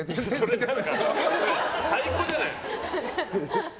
それ、太鼓じゃない。